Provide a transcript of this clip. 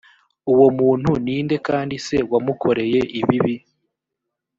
uwo muntu ni nde kandi se wamukoreye ibibi